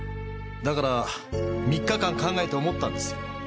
だから３日間考えて思ったんですよ。